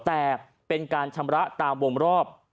แต่เป็นการชำระตามวงรอบ